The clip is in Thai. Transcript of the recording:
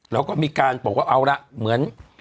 แล้วก็มีการบอกว่าเอาละเหมือน